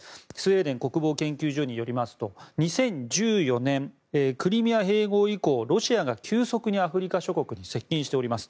スウェーデン国防研究所によりますと、２０１４年クリミア併合以降ロシアが急速にアフリカ諸国に接近しています。